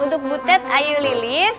untuk butet ayu lilis